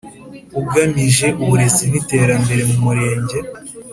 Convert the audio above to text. ugamije uburezi n iterambere mu murenge